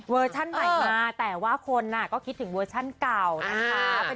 ชั่นใหม่มาแต่ว่าคนก็คิดถึงเวอร์ชั่นเก่านะคะ